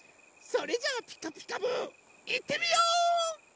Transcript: それじゃあ「ピカピカブ！」いってみよう！